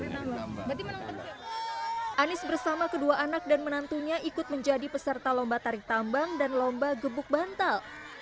anies bersama kedua anak dan menantunya ikut menjadi peserta lomba tarik tambang dan lomba gebuk bantal